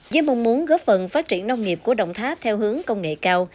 với mong muốn góp phần phát triển nông nghiệp của đồng tháp theo hướng công nghệ cao